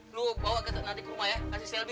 lu bawa nanti ke rumah ya kasih selbi